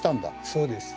そうです。